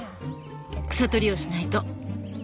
草取りをしないと。